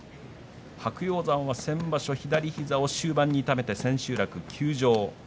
白鷹山は先場所、左膝を終盤に痛めて千秋楽を休場。